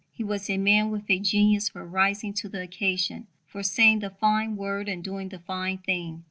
He was a man with a genius for rising to the occasion for saying the fine word and doing the fine thing.